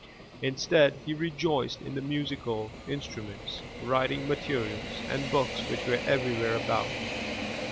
Instead, he rejoiced in the musical instruments, writing materials and books which were everywhere about.